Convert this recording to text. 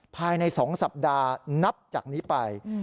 ภายใน๒สัปดาห์นับจากนี้ไป